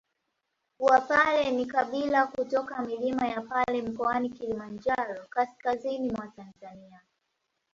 Wapare ni kabila kutoka milima ya Pare Mkoani Kilimanjaro kaskazini ya mwa Tanzania